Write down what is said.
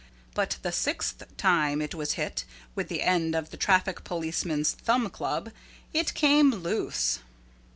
But the sixth time it was hit with the end of the traffic policeman's thumb club, it came loose.